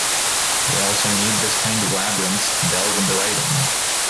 They also need this kind of labyrinths to delve into writing.